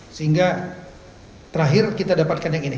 sehingga terakhir kita dapatkan yang ini